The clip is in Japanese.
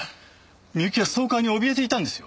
美由紀はストーカーにおびえていたんですよ。